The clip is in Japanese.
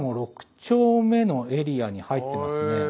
丁目のエリアに入ってますね。